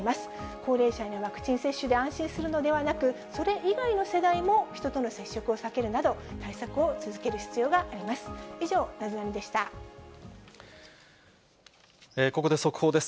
高齢者のワクチン接種で安心するのではなく、それ以外の世代も人との接触を避けるなど、対策を続ける必要があります。